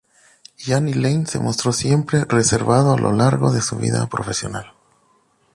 Jani Lane se mostró siempre reservado a lo largo de su vida profesional.